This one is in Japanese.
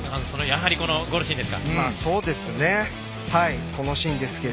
やはりゴールシーンですか。